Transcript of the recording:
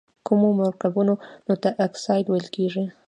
کومو مرکبونو ته اکساید ویل کیږي؟